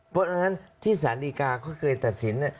เพราะฉะนั้นที่สนิกาก็เคยตัดสิน